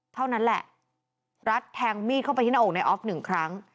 เท่านั้นแหละรัฐแทงมีดเข้าไปที่หน้าอกในออฟหนึ่งครั้ง